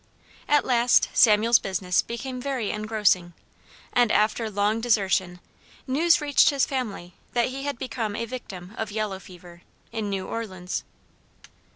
At last Samuel's business became very engrossing, and after long desertion, news reached his family that he had become a victim of yellow fever, in New Orleans.